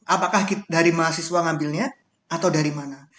apakah dari mahasiswa ngambilnya atau dari mana